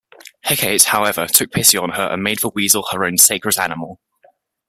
Hecate, however, took pity on her and made the weasel her own sacred animal.